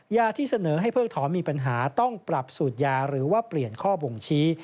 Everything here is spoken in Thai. ยาที่เสนอให้เพิกถอนมีปัญหาต้องปรับสูตรยาหรือว่าเปลี่ยนข้อบ่งชี้